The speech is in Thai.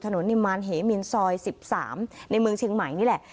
นิมารเหมินซอย๑๓ในเมืองเชียงใหม่นี่แหละ